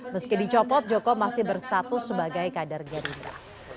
meski dicopot joko masih berstatus sebagai kader gerindra